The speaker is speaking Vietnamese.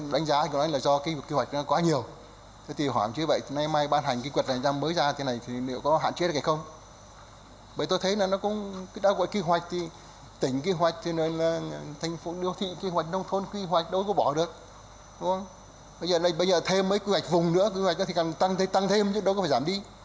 bây giờ thêm mấy quy hoạch vùng nữa quy hoạch này thì càng tăng thêm chứ đâu có phải giảm đi